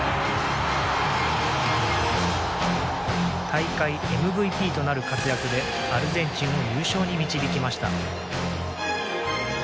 大会ＭＶＰとなる活躍でアルゼンチンを優勝に導きました。